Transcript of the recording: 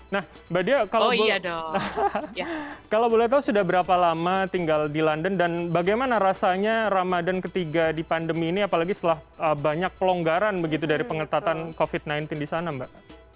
nah mbak dia kalau boleh tahu sudah berapa lama tinggal di london dan bagaimana rasanya ramadan ketiga di pandemi ini apalagi setelah banyak pelonggaran begitu dari pengetatan covid sembilan belas di sana mbak